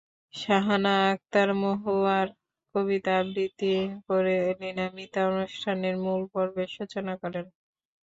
শাহানা আকতার মহুয়ার কবিতা আবৃত্তি করে এলিনা মিতা অনুষ্ঠানের মূল পর্বের সূচনা করেন।